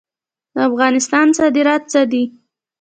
د افغانستان صادرات څه دي؟